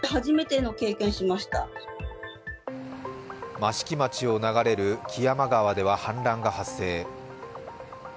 益城町を流れる木山川では氾濫が発生。